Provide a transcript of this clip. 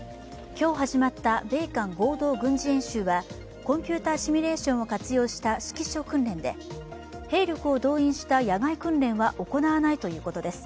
今日始まった米韓合同軍事演習はコンピューターシミュレーションを活用した指揮所訓練で兵力を動員した野外訓練は行わないということです。